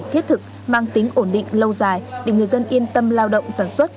thiết thực mang tính ổn định lâu dài để người dân yên tâm lao động sản xuất